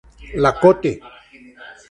La Côte